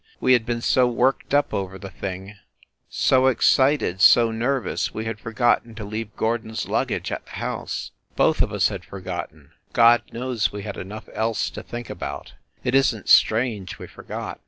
We had been so worked up over the thing, so 42 FIND THE WOMAN excited, so nervous, we had forgotten to leave Gor don s luggage at the house. Both of us had forgot ten God knows we had enough else to think about it isn t strange we forgot.